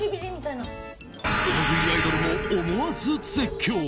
大食いアイドルも思わず絶叫。